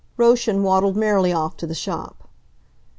Roschen waddled merrily off to the shop.